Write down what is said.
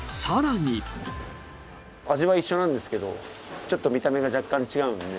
味は一緒なんですけど、ちょっと見た目が若干違うんで。